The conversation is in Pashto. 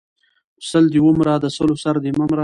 سل دې ومره د سلو سر دې مه مره!